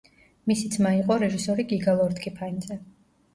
მისი ძმა იყო რეჟისორი გიგა ლორთქიფანიძე.